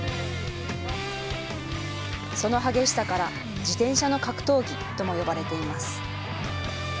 その激しさから自転車の格闘技とも呼ばれています。